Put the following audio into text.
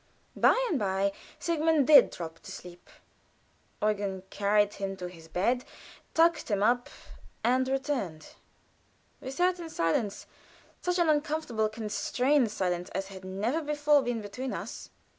By and by Sigmund did drop to sleep. Eugen carried him to his bed, tucked him up, and returned. We sat in silence such an uncomfortable constrained silence, as had never before been between us.